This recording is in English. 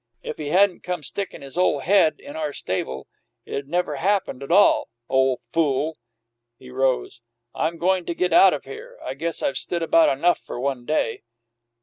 If he hadn't come stickin' his ole head in our stable, it'd never happened at all. Ole fool!" He rose. "I'm goin' to get out of here; I guess I've stood about enough for one day."